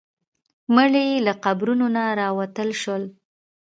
مړي له قبرونو نه راوتل شول.